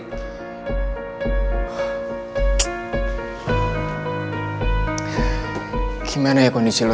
agak krim yang luar kat della aura ini